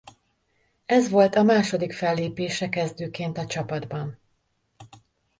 Ez volt a második fellépése kezdőként a csapatban.